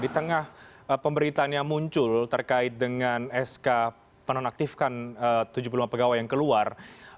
di tengah pemberitaan yang muncul terkait dengan sk penonaktifkan tujuh puluh lima pegawai yang keluar